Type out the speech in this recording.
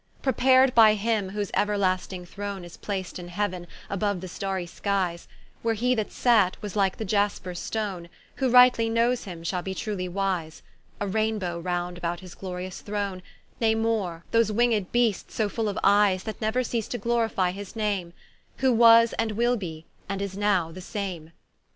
Prepar'd by him, whose euerlasting throne Is plac'd in heauen, aboue the starrie skies, Where he that sate, was like the Iasper stone, Who rightly knowes him shall be truely wise, A Rainebow round about his glorious throne; Nay more, those winged beasts so full of eies, That neuer cease to glorifie his Name, Who was, and will be, and is now the same.